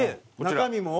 中身も？